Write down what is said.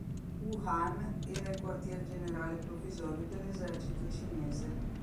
Wuhan era il quartier generale provvisorio dell'esercito cinese.